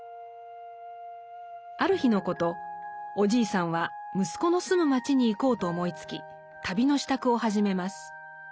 ある日のことおじいさんは息子の住む町に行こうと思いつき旅の支度を始めます。